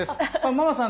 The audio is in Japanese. ママさん